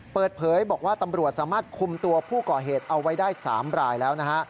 เปิดเผยบอกว่าตำรวจสามารถคุมตัวผู้ก่อเหตุเอาไว้ได้๓รายแล้วนะฮะ